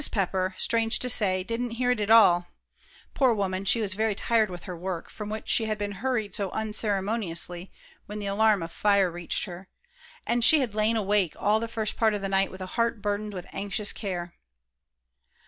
Pepper, strange to say, didn't hear it at all; poor woman, she was very tired with her work, from which she had been hurried so unceremoniously when the alarm of fire reached her, and she had lain awake all the first part of the night with a heart burdened with anxious care.